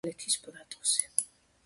მდებარეობს ბაზალეთის პლატოზე.